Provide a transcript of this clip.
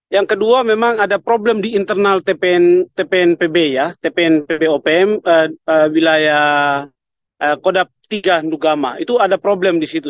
yang kedua memang ada problem di internal tpnpb ya tpnpb opm wilayah kodak tiga ndugama itu ada problem disitu